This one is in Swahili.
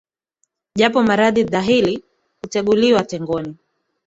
Japo maradhi dhahili, kuteguliwa tegoni,